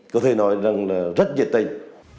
có thể nói là rất nhiệt tình